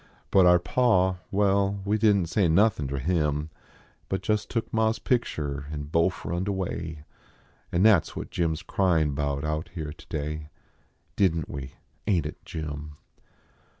But our pa well, we didn t say nothin ter him, But just took ma s picture and bofe run d away ; An that s what Jim s cryin bout out here today Didn t we, ain t it, Jim